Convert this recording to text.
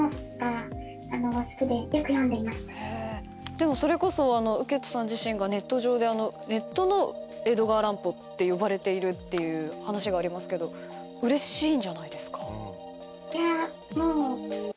でもそれこそ雨穴さん自身がネット上で。って呼ばれているっていう話がありますけどうれしいんじゃないですか？